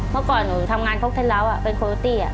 เมื่อก่อนหนูทำงานพกเท้าแล้วเป็นโคลที่